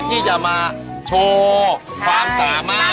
ที่จะมาโชว์ความสามารถ